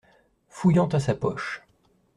Fouillant à sa poche.